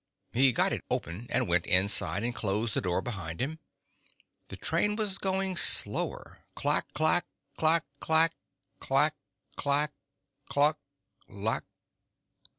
He got it open and went inside and closed the door behind him. The train was going slower, clack clack ... clack clack ... clack; clack ... cuh lack